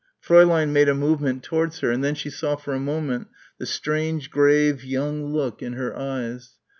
Fräulein made a movement towards her; and then she saw for a moment the strange grave young look in her eyes.